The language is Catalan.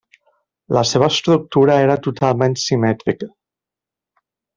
La seva estructura era totalment simètrica.